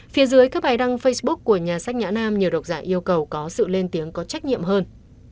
phía dưới các bài đăng facebook của nhà sách nhã nam nhiều độc giả yêu cầu có sự lên tiếng có trách nhiệm hơn